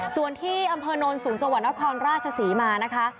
ส่วนที่อำเภอโนนสูงจังหวัดนครราชศรีมานะคะ